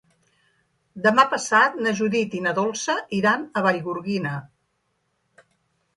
Demà passat na Judit i na Dolça iran a Vallgorguina.